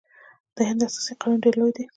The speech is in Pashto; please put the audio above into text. د هند اساسي قانون ډیر لوی دی.